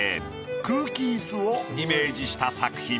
空気イスをイメージした作品。